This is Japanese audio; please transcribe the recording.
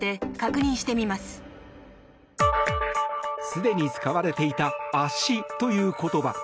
すでに使われていた圧死という言葉。